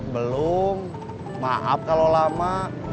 belum maaf kalau lama